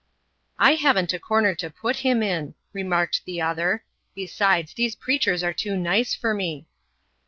"I haven't a corner to put him in," remarked the other. "Besides, these preachers are too nice for me."